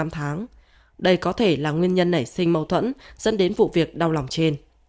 tám tháng đây có thể là nguyên nhân nảy sinh mâu thuẫn dẫn đến vụ việc đau lòng trên